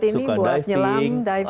bisa buat ini buat nyelam diving